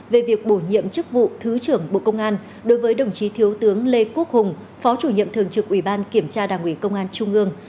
về việc bổ nhiệm chức vụ thứ trưởng bộ công an đối với đồng chí thiếu tướng lê quốc hùng phó chủ nhiệm thường trực ủy ban kiểm tra đảng ủy công an trung ương